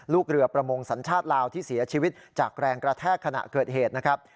ลูกเรือประมงสัญชาติลาวที่เสียชีวิตจากแรงกระแทกขณะเกิดเหตุนะครับ